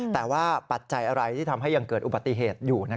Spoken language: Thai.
แต่ว่าปัจจัยอะไรที่ทำให้ยังเกิดอุบัติเหตุอยู่